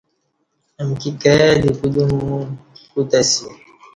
امکی کائی دی کودیوم کوتہ اسی